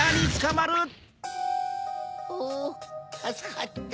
ふたすかった。